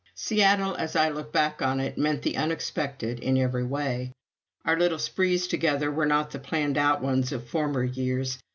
Seattle, as I look back on it, meant the unexpected in every way. Our little sprees together were not the planned out ones of former years.